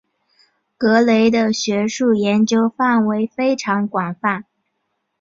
格雷的学术研究范围非常广泛。